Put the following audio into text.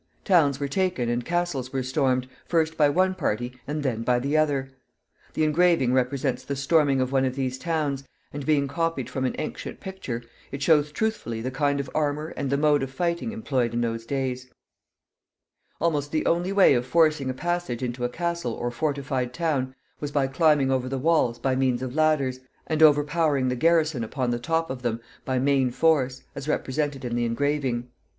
Towns were taken and castles were stormed, first by one party and then by the other. The engraving represents the storming of one of these towns, and, being copied from an ancient picture, it shows truthfully the kind of armor and the mode of fighting employed in those days. [Illustration: STORMING OF A TOWN.] Almost the only way of forcing a passage into a castle or fortified town was by climbing over the walls by means of ladders, and overpowering the garrison upon the top of them by main force, as represented in the engraving.